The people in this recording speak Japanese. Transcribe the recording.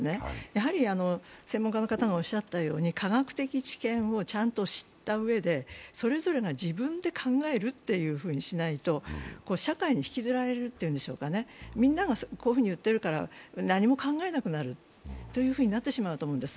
やはり専門家の方がおっしゃったように科学的知見をちゃんと知ったうえでそれぞれが自分で考えるというふうにしないと社会に引きずられるっていうんでしょうかね、みんながこういうふうに言ってるから何も考えなくなるとなってしまうと思うんです。